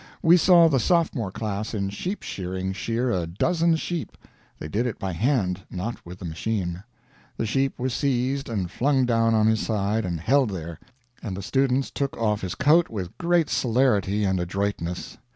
We saw the sophomore class in sheep shearing shear a dozen sheep. They did it by hand, not with the machine. The sheep was seized and flung down on his side and held there; and the students took off his coat with great celerity and adroitness.